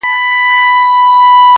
خدای بېشکه مهربان او نګهبان دی!.